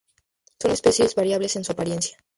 Son especies variables en su apariencia.